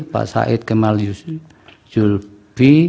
pak said kemal yusuf julbi